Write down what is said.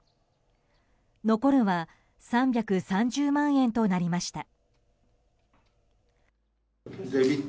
残るは３３０万円となりました。